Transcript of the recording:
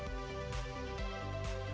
berdiri di smk